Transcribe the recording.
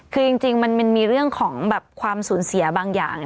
คือจริงมันมีเรื่องของความสูญเสียบางอย่าง